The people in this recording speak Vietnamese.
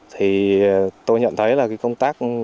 thì tôi nhận thấy là cái công tác